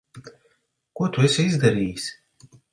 Ko tu esi izdarījis?